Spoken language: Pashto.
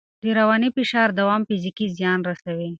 د رواني فشار دوام فزیکي زیان رسوي.